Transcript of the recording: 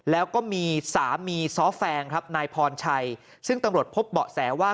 แล้วก็มีสามีซ้อแฟงครับนายพรชัยซึ่งตำรวจพบเบาะแสว่า